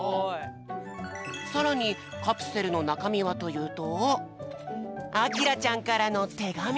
さらにカプセルのなかみはというとあきらちゃんからのてがみ！